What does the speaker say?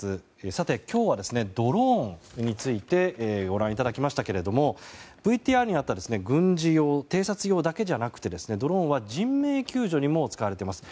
さて、今日はドローンについてご覧いただきましたけれどもＶＴＲにあった軍事用、偵察用だけじゃなくてドローンは人命救助にも使われています。